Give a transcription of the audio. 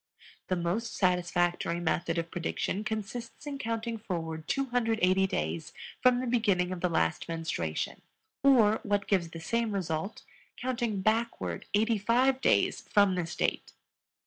The most satisfactory method of prediction consists in counting forward 280 days from the beginning of the last menstruation or, what gives the same result, counting backward eighty five days from this date.